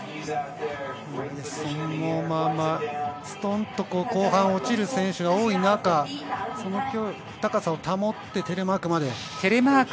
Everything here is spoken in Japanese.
そのままストンと後半落ちる選手が多い中、その高さを保ってテレマークまで。